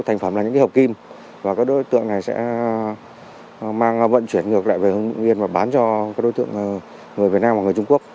thành phẩm là những hộp kim và các đối tượng này sẽ mang vận chuyển ngược lại về hương yên và bán cho các đối tượng người việt nam và người trung quốc